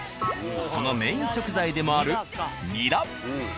そのメイン食材でもあるニラ。